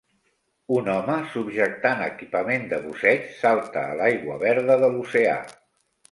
Un home, subjectant equipament de busseig, salta a l'aigua verda de l'oceà.